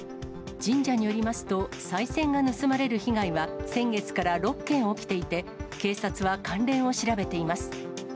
神社によりますと、さい銭が盗まれる被害は先月から６件起きていて、警察は関連を調べています。